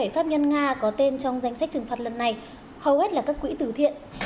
ba mươi bảy pháp nhân nga có tên trong danh sách trừng phạt lần này hầu hết là các quỹ tử thiện